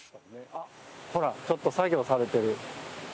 あっほらちょっと作業されてる。